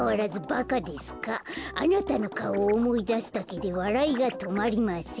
あなたのかおをおもいだすだけでわらいがとまりません。